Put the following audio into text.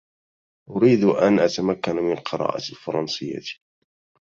أريد أن أتمكن من قراءة الفرنسية.